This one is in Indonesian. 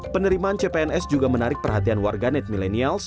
penerimaan cpns juga menarik perhatian warga net milenials